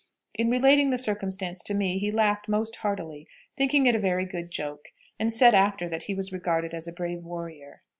In relating the circumstance to me he laughed most heartily, thinking it a very good joke, and said after that he was regarded as a brave warrior.